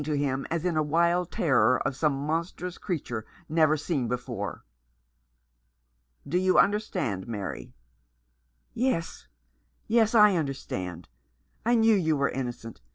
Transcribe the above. to him as in a wild terror of some monstrous creature never seen before. " Do you understand, Mary ?" "Yes, yes, I understand. I knew you were innocent.